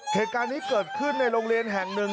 เหตุการณ์นี้เกิดขึ้นในโรงเรียนแห่งหนึ่ง